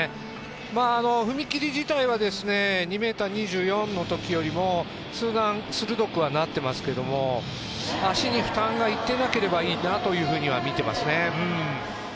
踏み切り自体は２ｍ２４のときよりも、数段鋭くはなってますけども足に負担がいってなければいいなと見てますね。